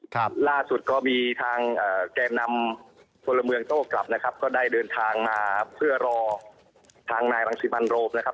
ครับล่าสุดก็มีทางเอ่อแก่นำพลเมืองโต้กลับนะครับก็ได้เดินทางมาเพื่อรอทางนายรังสิมันโรมนะครับ